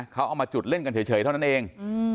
เขาเอามาจุดเล่นกันเฉยเท่านั้นเอง